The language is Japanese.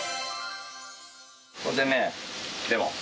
ここでねレモン。